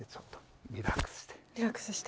リラックスして。